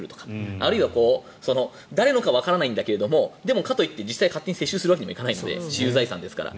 あるいは誰のかわからないんだけれども勝手に接収するわけにはいかないので私有財産ですから。